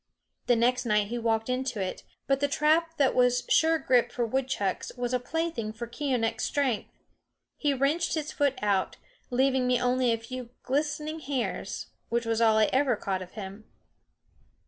The next night he walked into it. But the trap that was sure grip for woodchucks was a plaything for Keeonekh's strength. He wrenched his foot out of it, leaving me only a few glistening hairs which was all I ever caught of him.